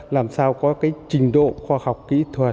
làm sao có cái trình độ khoa học kỹ thuật